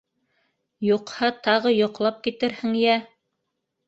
—Юҡһа, тағы йоҡлап китерһең йә!